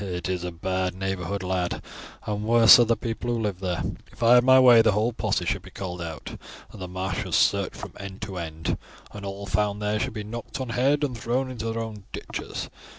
"It is a bad neighbourhood, lad, and worse are the people who live there. If I had my way the whole posse should be called out, and the marshes searched from end to end, and all found there should be knocked on head and thrown into their own ditches.